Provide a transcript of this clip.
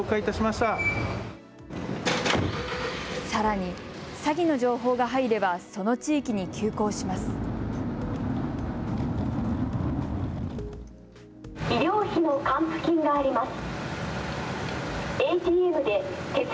さらに詐欺の情報が入ればその地域に急行します。